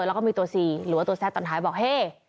แล้วก็มีตัวซีหรือว่าตัวแซ่ดตอนท้ายบอกเฮ่